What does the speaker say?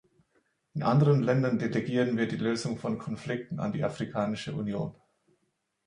In anderen Ländern delegieren wir die Lösung von Konflikten an die Afrikanische Union.